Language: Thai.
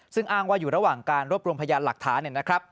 ซึ่งอ้างว่าอยู่ระหว่างการรวบรวมพยานหลักฐาน